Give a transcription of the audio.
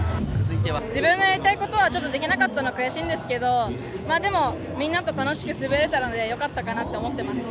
自分がやりたいことはちょっとできなかったのが悔しいんですけど、みんなと楽しく滑れたのでよかったかなと思っています。